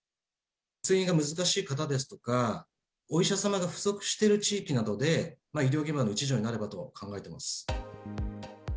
通院が難しい方ですとか、お医者様が不足している地域などで、医療現場の一助になればと考えています。